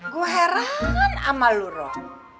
gua heran ama lu rob